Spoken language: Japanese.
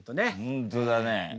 本当だね。